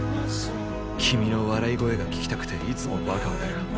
君の笑い声が聞きたくていつもバカをやる。